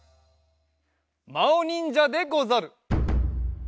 まおにんじゃでござる。